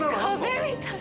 壁みたい。